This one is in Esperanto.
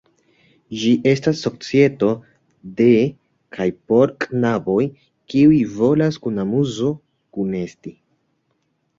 Ĝi estas societo de kaj por knaboj, kiuj volas kun amuzo kunesti.